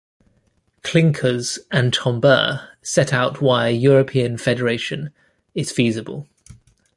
Klinkers and Tombeur set out why a European Federation is feasible.